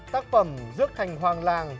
tác phẩm dước thành hoàng làng